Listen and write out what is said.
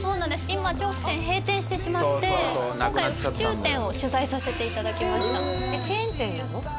今調布店閉店してしまって今回は府中店を取材させていただきましたチェーン店なの？